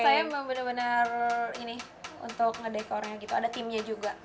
jadi om saya benar benar untuk mendekornya gitu ada timnya juga